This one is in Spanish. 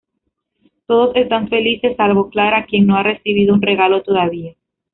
Todos están felices salvo Clara, quien no ha recibido un regalo todavía.